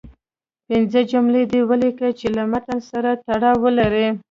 پنځه جملې دې ولیکئ چې له متن سره تړاو ولري.